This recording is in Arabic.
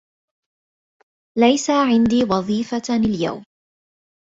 ليس عندي وظيفة اليوم.